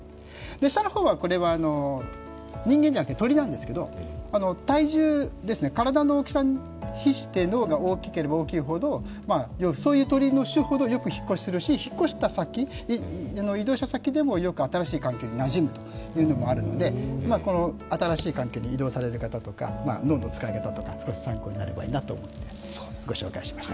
下は人間じゃなくて鳥なんですけど、体重、体の大きさに比して脳が大きければ大きいほどそういう鳥の種類ほどよく引っ越しするし引っ越した先、移動した先でもよく新しい環境になじむというのもあるので新しい環境に移動される方とか脳の使い方とか参考になればと思いご紹介しました。